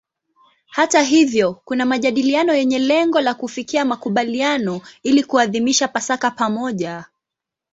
Hata hivyo kuna majadiliano yenye lengo la kufikia makubaliano ili kuadhimisha Pasaka pamoja.